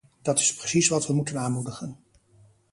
Dat is precies wat we moeten aanmoedigen.